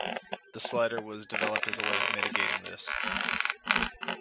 The slider was developed as a way of mitigating this.